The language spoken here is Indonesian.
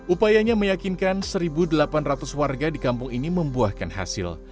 upayanya meyakinkan satu delapan ratus warga di kampung ini membuahkan hasil